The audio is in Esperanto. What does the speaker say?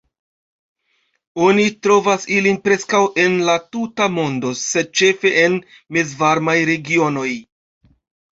Oni trovas ilin preskaŭ en la tuta mondo, sed ĉefe en mezvarmaj regionoj.